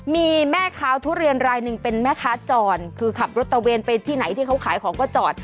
มีแม่ค้าทุเรียนรายหนึ่งเป็นแม่ค้าจอดคือขับรถตะเวนไปที่ไหนที่เขาขายของก็จอด